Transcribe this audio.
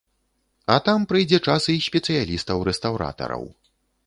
А там прыйдзе час і спецыялістаў-рэстаўратараў.